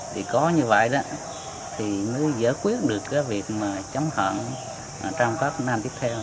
thì có như vậy đó thì mới giải quyết được cái việc mà chấm hạn trong các năm tiếp theo